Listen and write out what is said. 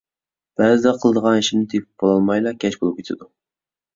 بەزىدە قىلىدىغان ئىشىمنى تېپىپ بولالمايلا كەچ بولۇپ كېتىدۇ.